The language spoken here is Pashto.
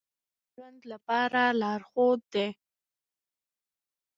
قانون د ګډ ژوند لپاره لارښود دی.